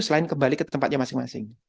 selain kembali ke tempatnya masing masing